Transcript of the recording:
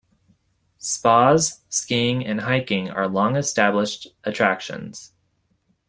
Spas, skiing, and hiking are long-established attractions.